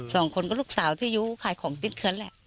สองคนก็ลูกสาวที่ยู้ขายของติดเลือนแหละ